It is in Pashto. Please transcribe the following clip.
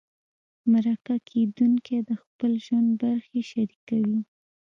مرکه کېدونکی د خپل ژوند برخې شریکوي.